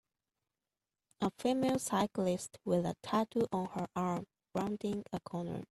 A female cyclist with a tattoo on her arm rounding a corner.